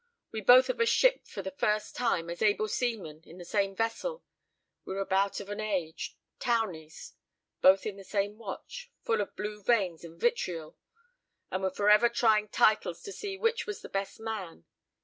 We both of us shipped for the first time, as able seamen, in the same vessel; we were about of an age 'townies;' both in the same watch, full of blue veins and vitriol, and were forever trying titles to see which was the best man.